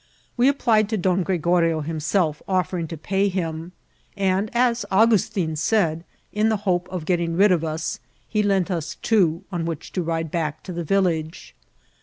We q>plied to Don Gregorio himself, offering to pay him ; and, as Augustin said, in the hope of getting rid of us, he lent us two, on which to ride back to the village.